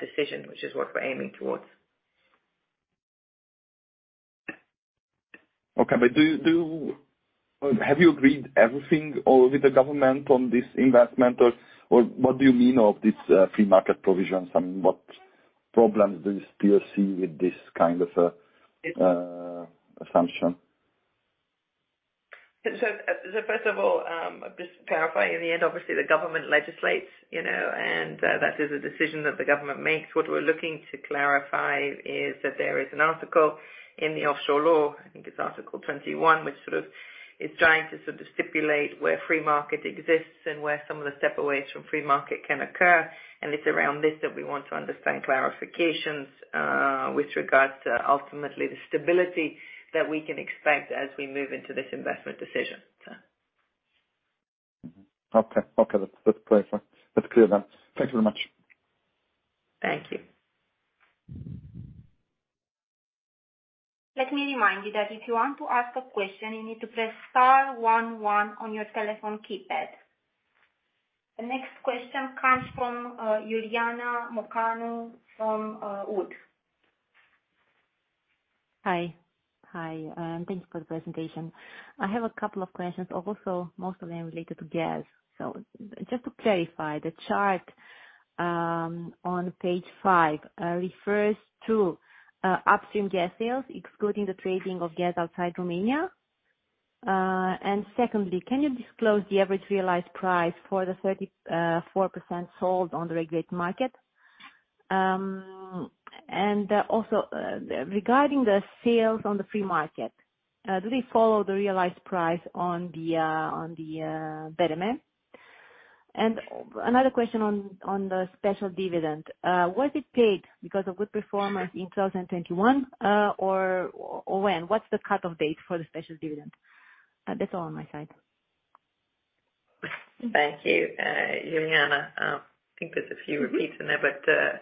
decision, which is what we're aiming towards. Okay. Have you agreed everything with the government on this investment, or what do you mean by this free market provisions, and what problems do you still see with this kind of assumption? First of all, just to clarify, in the end, obviously the government legislates, you know, and that is a decision that the government makes. What we're looking to clarify is that there is an article in the Offshore Law, I think it's Article 21, which sort of is trying to stipulate where free market exists and where some of the step away from free market can occur. It's around this that we want to understand clarifications, with regards to ultimately the stability that we can expect as we move into this investment decision. Okay. That's perfect. That's clear then. Thank you very much. Thank you. Let me remind you that if you want to ask a question you need to press star one one on your telephone keypad. The next question comes from Iuliana Ciopraga from WOOD & Company. Hi, hi. Thank you for the presentation. I have a couple of questions. Also, most of them related to gas. Just to clarify, the chart on page five refers to upstream gas sales, excluding the trading of gas outside Romania. Secondly, can you disclose the average realized price for the 34% sold on the regulated market? Also, regarding the sales on the free market, do they follow the realized price on the BRM? Another question on the special dividend. Was it paid because of good performance in 2021, or when? What's the cut-off date for the special dividend? That's all on my side. Thank you, Iuliana. I think there's a few repeats in there.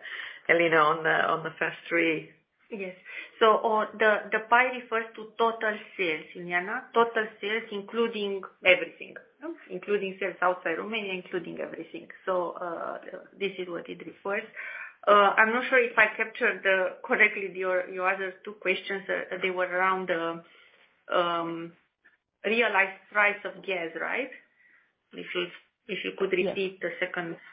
Mm-hmm. Alina, on the first three. Yes. On the pie refers to total sales, Iuliana. Total sales including everything. Oh. Including sales outside Romania, including everything. This is what it refers. I'm not sure if I captured correctly your other two questions. They were around the realized price of gas, right? If you could repeat- Yeah. The second question.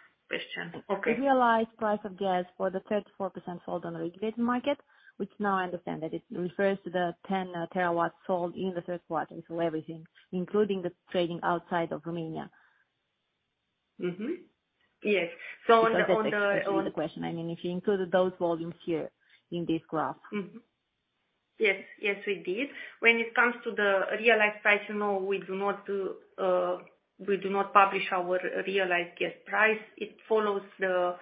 Okay. The realized price of gas for the 34% sold on the regulated market, which now I understand that it refers to the 10 TW sold in the third quarter. Everything, including the trading outside of Romania. Yes. That's the other question. I mean, if you included those volumes here in this graph. Yes. Yes, we did. When it comes to the realized price, you know, we do not publish our realized gas price. It follows the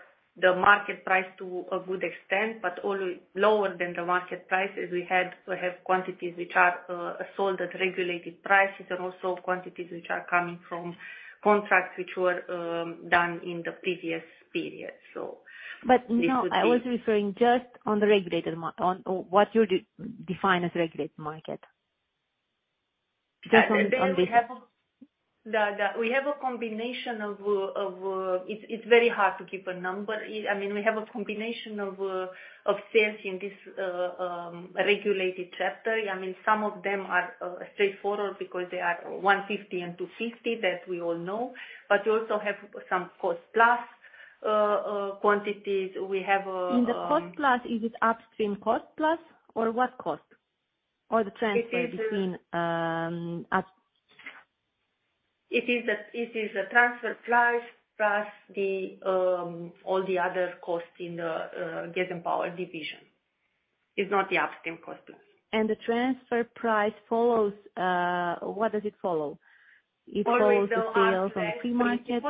market price to a good extent, but only lower than the market price, as we have quantities which are sold at regulated prices and also quantities which are coming from contracts which were done in the previous period. It would be. you know, I was referring just on the regulated market on what you define as regulated market. Just on this. We have a combination of sales in this regulated chapter. It's very hard to give a number. I mean, some of them are straightforward because they are RON 150 and RON 250, that we all know. We also have some cost plus quantities. In the cost plus, is it upstream cost plus or what cost? Or the transfer between, It is a transfer price plus all the other costs in the gas and power division. It's not the upstream cost plus. The transfer price follows. What does it follow? Always the arm's length principle. It follows the sales on free market.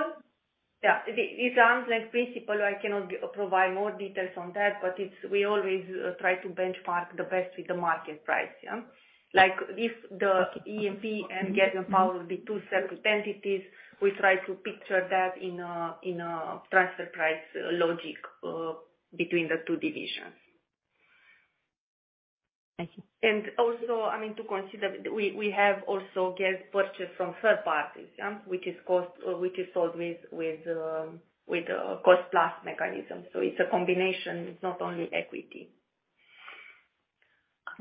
Yeah. It's arm's length principle. I cannot provide more details on that. We always try to benchmark the best with the market price, yeah. Like if the E&P and gas and power will be two separate entities, we try to picture that in a transfer price logic between the two divisions. Thank you. I mean, to consider, we have also gas purchased from third parties, yeah. Which is sold with a cost plus mechanism. It's a combination. It's not only equity.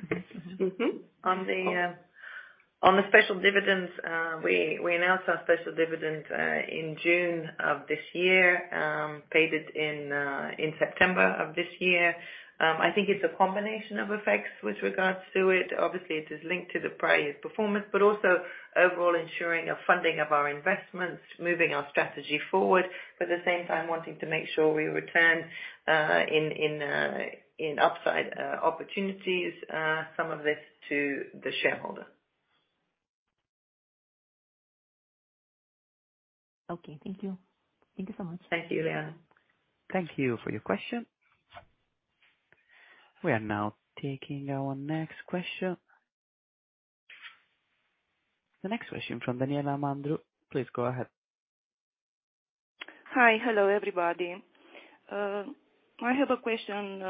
Okay. Mm-hmm. On the special dividends, we announced our special dividend in June of this year, paid it in September of this year. I think it's a combination of effects with regards to it. Obviously it is linked to the prior year's performance, but also overall ensuring a funding of our investments, moving our strategy forward. At the same time wanting to make sure we return in upside opportunities some of this to the shareholder. Okay. Thank you. Thank you so much. Thank you, Iuliana. Thank you for your question. We are now taking our next question. The next question from Daniela Mandru. Please go ahead. Hi. Hello, everybody. I have a question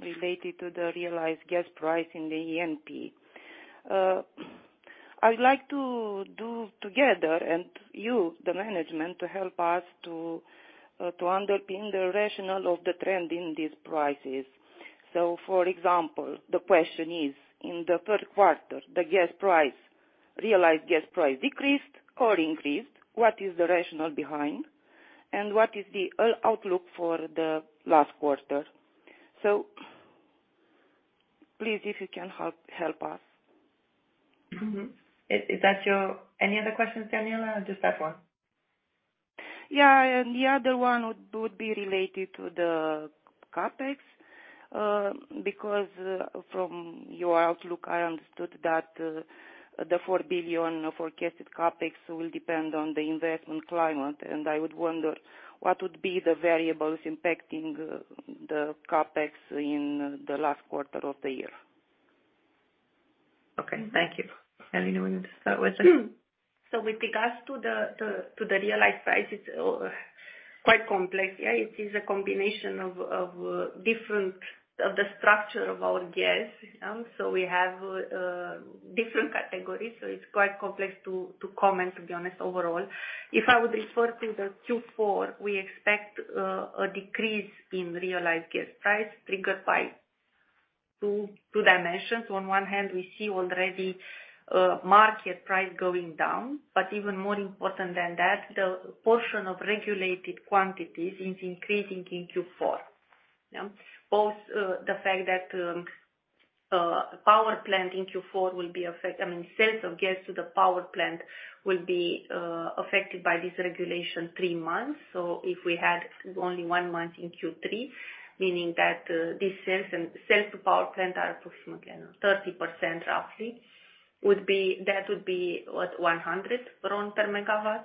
related to the realized gas price in the E&P. I'd like to do together and you, the management, to help us underpin the rationale of the trend in these prices. For example, the question is, in the third quarter, the realized gas price decreased or increased? What is the rationale behind? And what is the outlook for the last quarter? Please, if you can help us. Any other questions, Daniela, or just that one? Yeah. The other one would be related to the CapEx, because from your outlook, I understood that the RON 4 billion forecasted CapEx will depend on the investment climate, and I would wonder what would be the variables impacting the CapEx in the last quarter of the year. Okay, thank you. Alina Popa, you want me to start with it? With regards to the realized prices, quite complex. Yeah, it is a combination of different. Of the structure of our gas. We have different categories, so it's quite complex to comment, to be honest, overall. If I would refer to the Q4, we expect a decrease in realized gas price triggered by two dimensions. On one hand, we see already market price going down, but even more important than that, the portion of regulated quantities is increasing in Q4. Yeah. Both the fact that power plant in Q4 will be affected. I mean, sales of gas to the power plant will be affected by this regulation three months. If we had only one month in Q3, meaning that these sales and sales to power plant are approximately 30%, roughly, would be that would be, what, 100 per MW.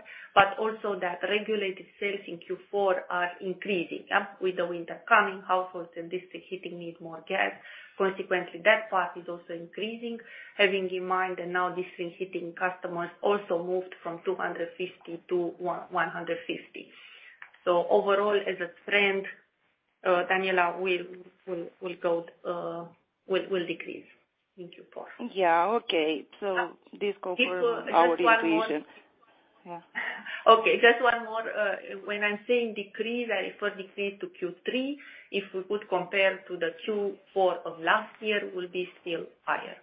Also that regulated sales in Q4 are increasing. Yeah. With the winter coming, households and district heating need more gas. Consequently, that part is also increasing. Having in mind that now district heating customers also moved from 250 to one hundred fifty. Overall, as a trend, Daniela, we'll decrease in Q4. Yeah. Okay. This confirms our intuition. Just one more. Yeah. Okay, just one more. When I'm saying decrease, I refer decrease to Q3. If we could compare to the Q4 of last year will be still higher.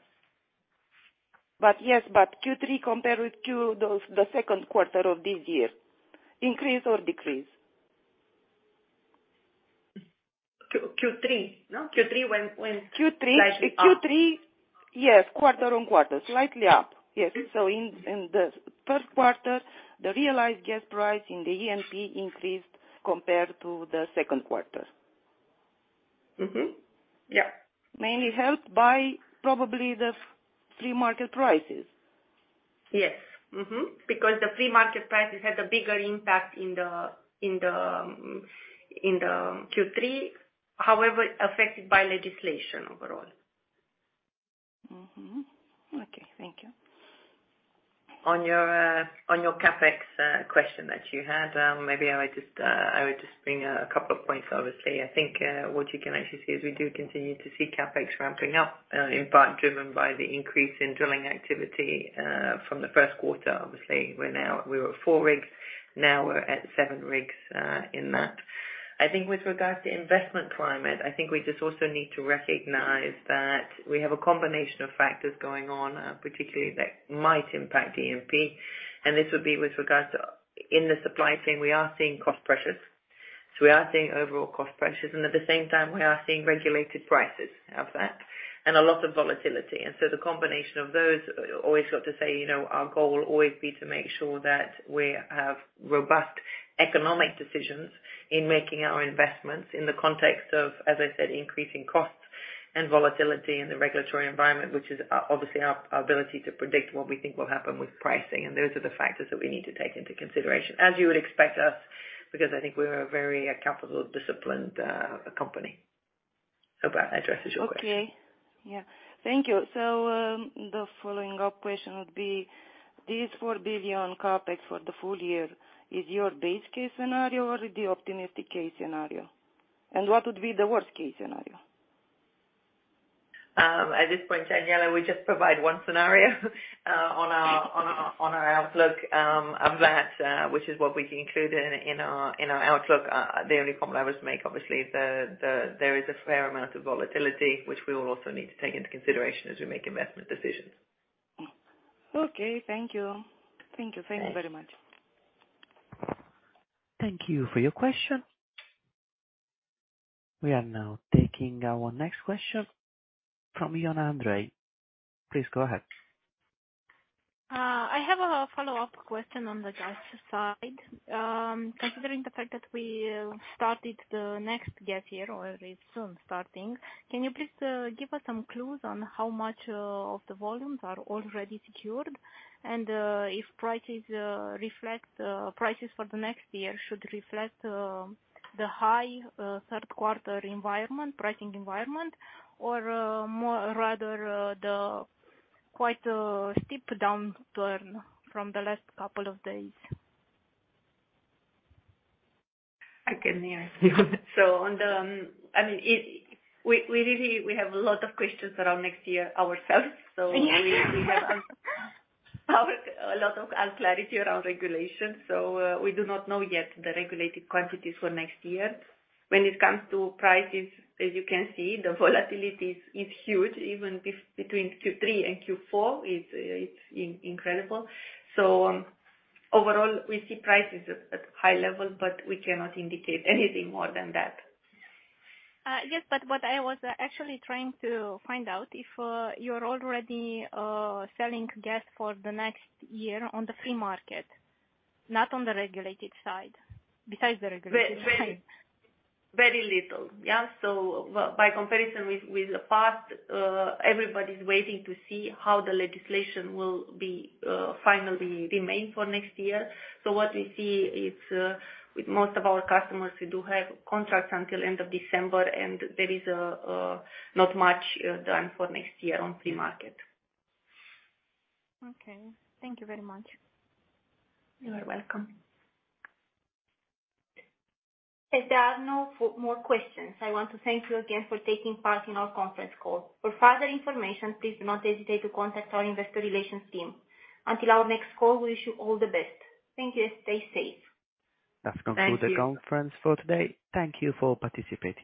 Yes, but Q3 compared with Q, the second quarter of this year, increase or decrease? Q3, no? Q3 when Q3. Slight up. Q3, yes, quarter-over-quarter, slightly up. Yes. Mm-hmm. In the first quarter, the realized gas price in the E&P increased compared to the second quarter. Mm-hmm. Yeah. Mainly helped by probably the free market prices. Yes. Because the free market prices had a bigger impact in the Q3, however, affected by legislation overall. Mmm-hmm. Okay. Thank you. On your CapEx question that you had, maybe I would just bring a couple of points, obviously. I think what you can actually see is we do continue to see CapEx ramping up, in part driven by the increase in drilling activity, from the first quarter. Obviously, we were at four rigs, now we're at seven rigs, in that. I think with regards to investment climate, I think we just also need to recognize that we have a combination of factors going on, particularly that might impact E&P, and this would be with regards to in the supply chain, we are seeing cost pressures. We are seeing overall cost pressures, and at the same time we are seeing regulated prices of that and a lot of volatility. The combination of those, always got to say, you know, our goal will always be to make sure that we have robust economic decisions in making our investments in the context of, as I said, increasing costs and volatility in the regulatory environment, which is obviously our ability to predict what we think will happen with pricing. Those are the factors that we need to take into consideration. As you would expect us, because I think we're a very capital-disciplined company. I hope that addresses your question. Thank you. The following up question would be, this RON 4 billion CapEx for the full year, is your base case scenario or the optimistic case scenario? And what would be the worst-case scenario? At this point, Daniela, we just provide one scenario on our outlook. I'm glad which is what we can include in our outlook. The only comment I would make, obviously, is there is a fair amount of volatility which we will also need to take into consideration as we make investment decisions. Okay. Thank you. Thank you. Thank you very much. Thanks. Thank you for your question. We are now taking our next question from Ioana Andrei. Please go ahead. I have a follow-up question on the gas side. Considering the fact that we started the next gas year or is soon starting, can you please give us some clues on how much of the volumes are already secured? If prices for the next year should reflect the high third quarter environment, pricing environment, or more rather the quite steep downturn from the last couple of days? I can hear you. We really have a lot of questions around next year ourselves. Yeah. We have a lot of uncertainty around regulation. We do not know yet the regulated quantities for next year. When it comes to prices, as you can see, the volatility is huge. Even between Q3 and Q4, it's incredible. Overall, we see prices at high level, but we cannot indicate anything more than that. Yes, what I was actually trying to find out if you're already selling gas for the next year on the free market, not on the regulated side. Besides the regulated side. Very, very little. Yeah. By comparison with the past, everybody's waiting to see how the legislation will be finally remain for next year. What we see is, with most of our customers, we do have contracts until end of December, and there is not much done for next year on free market. Okay. Thank you very much. You are welcome. If there are no more questions, I want to thank you again for taking part in our conference call. For further information, please do not hesitate to contact our investor relations team. Until our next call, wish you all the best. Thank you. Stay safe. That concludes. Thank you. the conference for today. Thank you for participating.